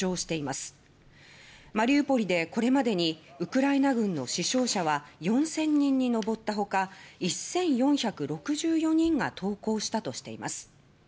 またマリウポリでこれまでにウクライナ軍の死傷者は４０００人に上ったほか１４６４人が投降したとしています。